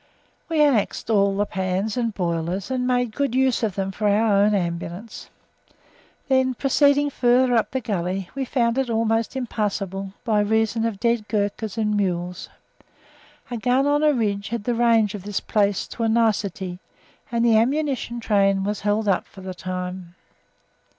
We annexed all the pans and boilers and made good use of them for our own Ambulance. Then, proceeding further up the gully, we found it almost impassable by reason of dead Ghurkas and mules; a gun on a ridge had the range of this place to a nicety, and the ammunition train was held up for a time.